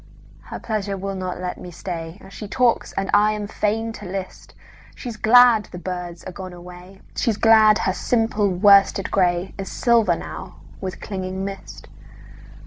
Her pleasure will not let me stay. She talks and I am fain to list:She's glad the birds are gone away, She's glad her simple worsted grayIs silver now with clinging mist.